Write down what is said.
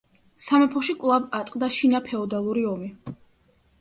სამეფოში კვლავ ატყდა შინაფეოდალური ომი.